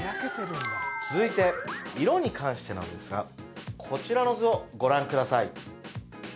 続いて色に関してなんですがこちらの図をご覧ください